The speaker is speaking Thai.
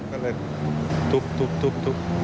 ก็เลยทุบ